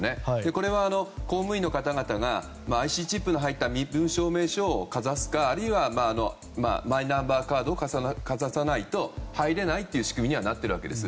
これは公務員の方々がＩＣチップの入った身分証明書をかざすかあるいはマイナンバーカードをかざさないと入れないという仕組みにはなっているわけです。